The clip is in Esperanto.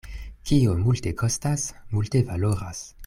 Kio multe kostas, multe valoras.